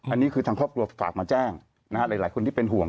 อันนี้คือทางครอบครัวฝากมาแจ้งหลายคนที่เป็นห่วง